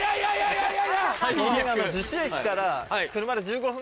あっ逗子から車で１５分。